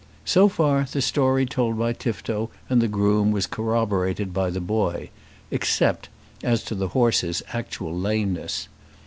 So far the story told by Tifto and the groom was corroborated by the boy, except as to the horse's actual lameness.